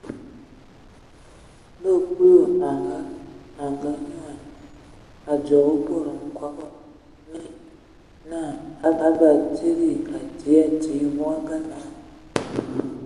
Ndɔ Kulu a anyoan, a dzǝgə bod nkobɔ, nye naa Batsidi a tii a tii, vogolanə ma a a.